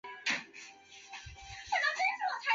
海伦伯格和编剧希尔将其写成了草稿。